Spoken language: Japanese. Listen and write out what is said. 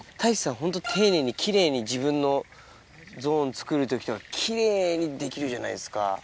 ホント丁寧に奇麗に自分のゾーンつくる時とか奇麗にできるじゃないですか。